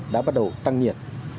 đã bắt đầu tăng nhiệt